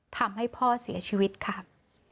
ทำให้พ่อเสียชีวิตค่ะ